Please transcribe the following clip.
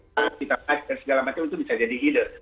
kalau kita baca dan segala macam itu bisa jadi ide